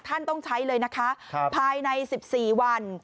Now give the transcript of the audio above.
ท่านต้องใช้เลยนะคะภายใน๑๔วัน